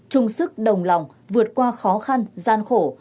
chung sức đồng lòng vượt qua khó khăn gian khổ